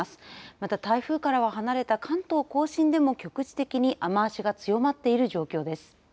また、台風からは離れた関東甲信でも局地的に雨足が強まっている状況です。